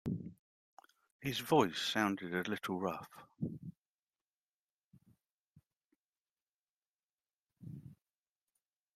His voice sounded a little rough.